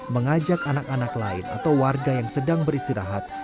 mengajak anak anak lain atau warga yang sedang beristirahat